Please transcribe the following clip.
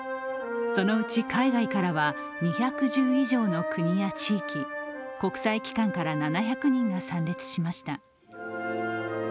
そのうち海外からは２１０以上の国や地域、国際機関から７００人以上が参列しました。